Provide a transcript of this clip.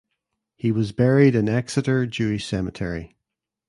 He was buried in Exeter Jewish Cemetery.